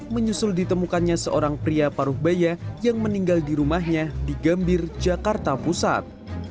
menyusul ditemukannya seorang pria paruh baya yang meninggal di rumahnya di gambir jakarta pusat